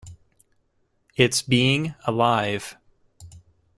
It's being alive.